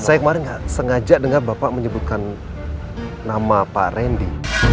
saya kemarin sengaja dengar bapak menyebutkan nama pak randy